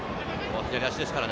左足ですからね。